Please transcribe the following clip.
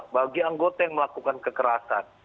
bagi anggota yang melakukan kekerasan